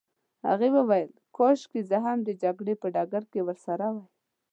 هغې وویل: کاشکې زه هم د جګړې په ډګر کي درسره وای.